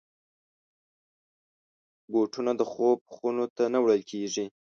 بوټونه د خوب خونو ته نه وړل کېږي.